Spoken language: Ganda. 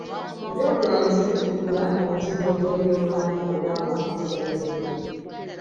Eby'obulambuzi bitumbula omutindo gw'ebyobulamu obw'abantu abalina emirimu.